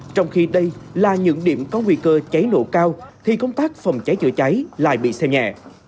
trong khi đây là những điểm có nguy cơ cháy nổ cao thì công tác phòng cháy chữa cháy lại bị xem nhẹ